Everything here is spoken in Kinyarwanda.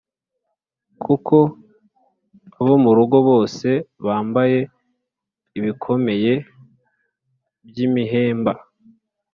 kuko abo mu rugo bose bambaye ibikomeye by’imihemba